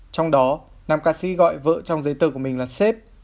trong đó năm ca sĩ gọi vợ trong giấy tờ của mình là sếp